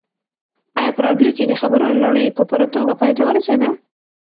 ایا په راډیو کې د خبرونو لړۍ په پوره توګه پای ته ورسېده؟